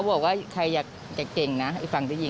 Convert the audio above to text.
มีการฆ่ากันห้วย